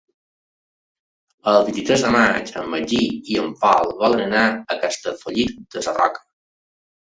El vint-i-tres de maig en Magí i en Pol volen anar a Castellfollit de la Roca.